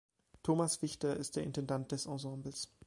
Thomas Fichter ist der Intendant des Ensembles.